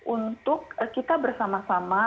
untuk kita bersama sama